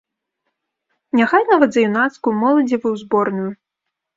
Няхай нават за юнацкую, моладзевую зборную.